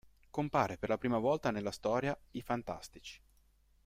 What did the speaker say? Compare per la prima volta nella storia "I Fantastici".